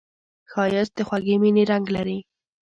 ښایست د خوږې مینې رنګ لري